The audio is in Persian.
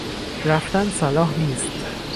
رفتن صلاح نیست.